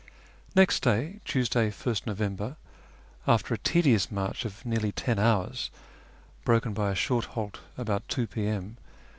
Next day, Tuesday, 1st November, after a tedious march of nearly ten hours, broken by a short halt about 2 p.m.